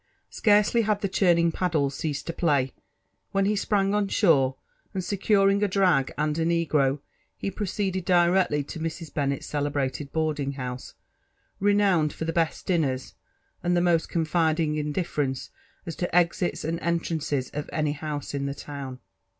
Scarcely had the churning paddles ceased to play, when lie sprang on shore, and securing a drag and a negro, he proceeded directly to to Mrs. Bonnet's celebrated boarding house, renowned for the best dinners, and the most confiding indifference as to exits and entrances, of any house in the town.